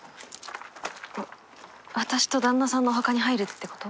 わ私と旦那さんのお墓に入るって事？